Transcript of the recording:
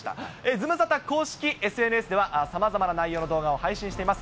ズムサタ公式ＳＮＳではさまざまな内容の動画を配信しています。